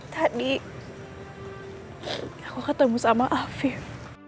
tadi aku ketemu sama afir